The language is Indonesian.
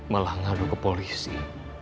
malah ngadu ke polisi